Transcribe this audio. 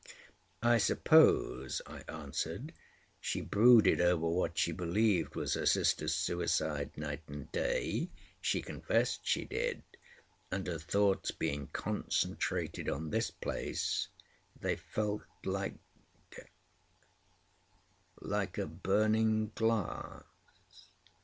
"I suppose," I answered, "she brooded over what she believed was her sister's suicide night and day—she confessed she did—and her thoughts being concentrated on this place, they felt like a—like a burning glass."